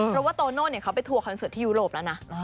เพราะว่าโตโน่เขาไปทัวร์คอนเสิร์ตที่ยุโรปแล้วนะ